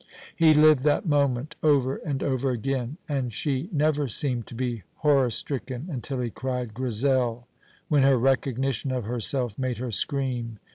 He lived that moment over and over again, and she never seemed to be horror stricken until he cried "Grizel!" when her recognition of herself made her scream.